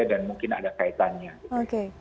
ada dan mungkin ada kaitannya